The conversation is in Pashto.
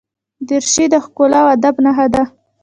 دریشي د ښکلا او ادب نښه ده.